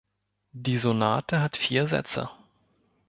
Die Sonate hat vier Sätze.